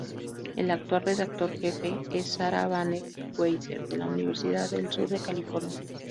El actual redactor jefe es Sarah Banet-Weiser de la Universidad del Sur de California.